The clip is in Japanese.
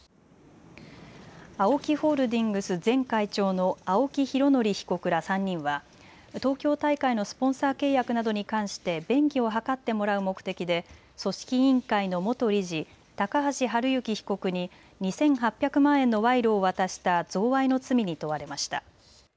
ＡＯＫＩホールディングス前会長の青木拡憲被告ら３人は東京大会のスポンサー契約などに関して電気を図ってもらう目的で組織委員会の元理事、高橋治之被告に２８００万円の賄賂を渡した贈賄の罪に問われました。